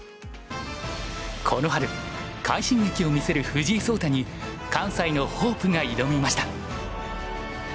この春快進撃を見せる藤井聡太に関西のホープが挑みました。